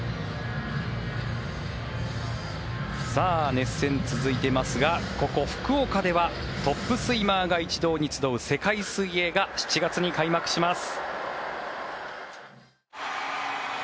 熱戦続いていますがここ、福岡ではトップスイマーが一堂に集う世界水泳が７月に開幕します。